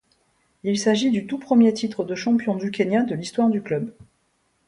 Il s’agit du tout premier titre de champion du Kenya de l’histoire du club.